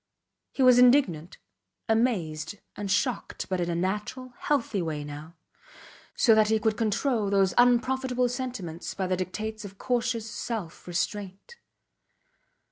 He was indignant, amazed and shocked, but in a natural, healthy way now; so that he could control those unprofitable sentiments by the dictates of cautious self restraint.